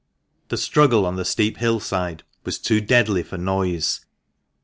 The struggle on the steep hill side was too deadly for noise.